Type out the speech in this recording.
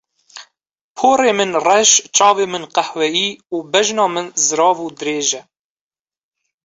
Porê min reş, çavên min qehweyî û bejna min zirav û dirêj e.